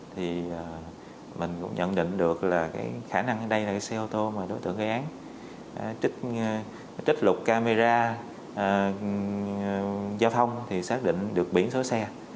thì mình cũng nhận định được là cái khả năng ở đây là cái xe ô tô mà đối tượng gây án trích lục camera giao thông thì xác định được biển số xe